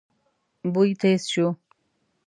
بوی تېز شو.